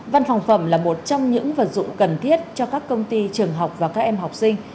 văn phòng phẩm là một trong những vật dụng cần thiết cho các công ty trường học và các em học sinh